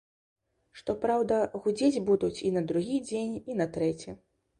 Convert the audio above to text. Што праўда, гудзець будуць і на другі дзень, і на трэці.